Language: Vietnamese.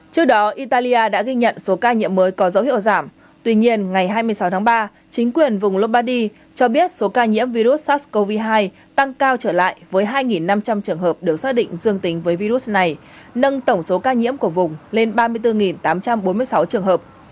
trước đó italia đã ghi nhận số ca nhiễm mới có dấu hiệu giảm tuy nhiên ngày hai mươi sáu tháng ba chính quyền vùng lombardi cho biết số ca nhiễm virus sars cov hai tăng cao trở lại với hai năm trăm linh trường hợp được xác định dương tính với virus này nâng tổng số ca nhiễm của vùng lên ba mươi bốn tám trăm bốn mươi sáu trường hợp